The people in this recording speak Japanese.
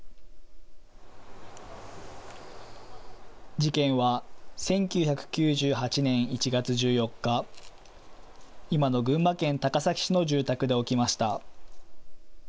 事件は１９９８年１月１４日、今の群馬県高崎市の住宅で起きました。